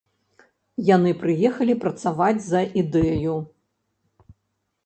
Яны прыехалі працаваць за ідэю.